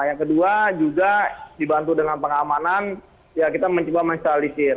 yang kedua juga dibantu dengan pengamanan ya kita mencoba menstalisir